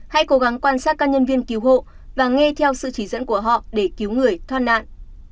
hãy cố gắng quan sát các nhân viên cứu hộ và nghe theo sự chỉ dẫn của họ để cứu người thoát nạn